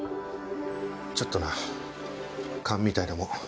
ちょっとな勘みたいなもん。